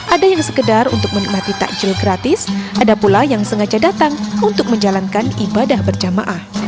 ada yang sekedar untuk menikmati takjil gratis ada pula yang sengaja datang untuk menjalankan ibadah berjamaah